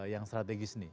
yang strategis ini